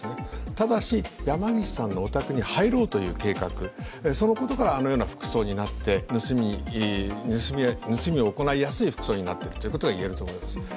ただし、山岸さんのお宅に入ろうという計画、そのことからあのような服装になって盗みを行いやすい服装になってるということはいえると思います。